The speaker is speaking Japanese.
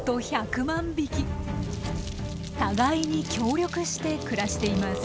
互いに協力して暮らしています。